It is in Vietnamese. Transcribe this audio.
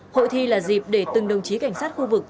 hội thi là dịp để từng đồng chí cảnh sát khu vực